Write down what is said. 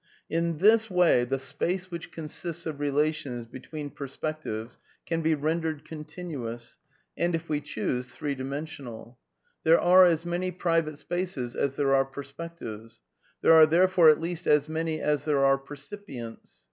In this 1 170 A DEFENCE OF IDEALISM way die space which consiats of relations between perspectiyea can be rendered continuous, and (if we choose) three dimen sionaL .•. There are as many private spaces as there are per spectives; there are therefore at least as many as there are percipients.